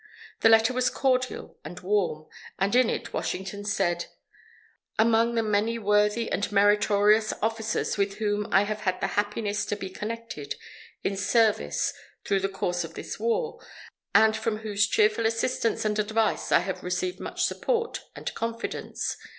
The letter was cordial and warm, and in it Washington said: "Among the many worthy and meritorious officers, with whom I have had the happiness to be connected in service through the course of this War, and from whose cheerful assistance and advice I have received much support and confidence